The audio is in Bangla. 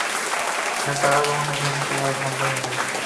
নেতার আগমনে জনতার আওয়াজ বন্ধ হয়ে যায়।